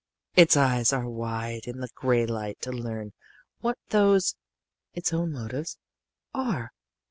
Its eyes are wide in the gray light to learn what those, its own motives, are.